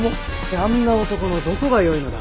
あんな男のどこが良いのだ？